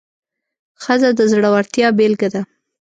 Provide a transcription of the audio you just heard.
ښځه د زړورتیا بیلګه ده.